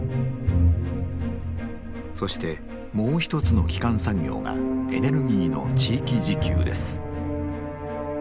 そしてもう一つの基幹産業がエネルギーの地域自給です。